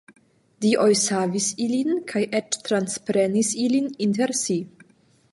Dioj savis ilin kaj eĉ transprenis ilin inter si.